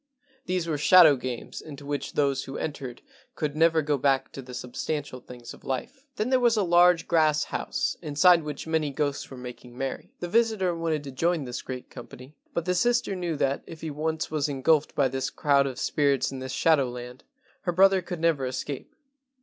These were shadow games into which those who entered could never go back to the substantial things of life. Then there was a large grass house inside which many ghosts were making merry. The visitor wanted to join this great company, but the sister knew that, if he once was engulfed by this crowd of spirits in this shadow land, her brother could never escape.